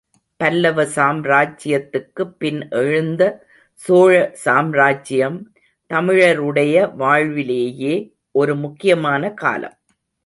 பல்லவ சாம்ராஜ்யத்துக்குப் பின் எழுந்த சோழ சாம்ராஜ்யம் தமிழருடைய வாழ்விலேயே ஒரு முக்கியமான காலம்.